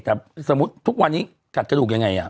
แต่สมมุติทุกวันนี้กัดกระดูกยังไง